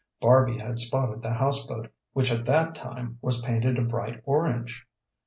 Barby had spotted the houseboat, which at that time was painted a bright orange.